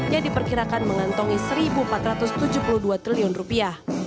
yang diperkirakan mengantongi satu empat ratus tujuh puluh dua triliun rupiah